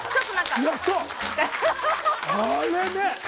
あれね！